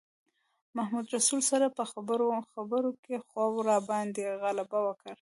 محمدرسول سره په خبرو خبرو کې خوب راباندې غلبه وکړه.